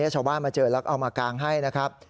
ชาวบ้านมาเจอแล้วก็เอามากางให้นะครับ